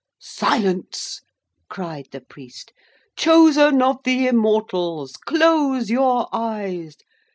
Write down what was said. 'Silence,' cried the priest, 'Chosen of the Immortals, close your eyes!